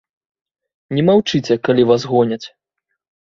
Не маўчыце, калі вас гоняць.